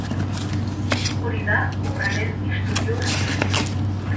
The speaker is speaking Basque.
Hori da obraren istorio nagusia.